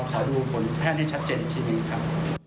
เราขอรวมผลแทนให้ชัดเจนทีนี้ครับ